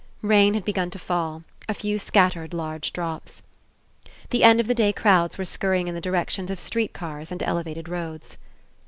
Rain had begun to fall, a few scattered large drops. The end of the day crowds were scurry ing In the directions of street cars and elevated roads.